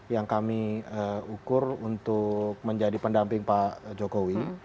yang kami ukur untuk menjadi pendamping pak jokowi